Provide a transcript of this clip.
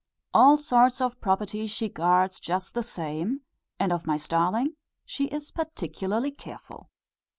All sorts of property she guards just the same, and of my starling she is particularly careful.